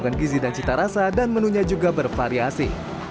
dengan gizi dan cita rasa dan menunya juga bervariasi